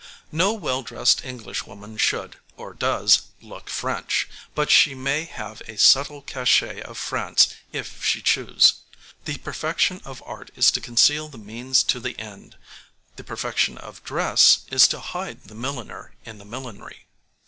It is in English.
No well dressed Englishwoman should, or does, look French, but she may have a subtle cachet of France if she choose. The perfection of art is to conceal the means to the end; the perfection of dress is to hide the milliner in the millinery.